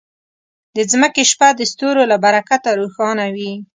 د ځمکې شپه د ستورو له برکته روښانه وي.